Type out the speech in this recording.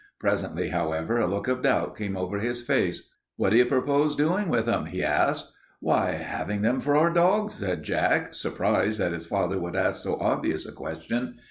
Presently, however, a look of doubt came over his face. "What do you propose doing with them?" he asked. "Why, having them for our dogs," said Jack, surprised that his father should ask so obvious a question.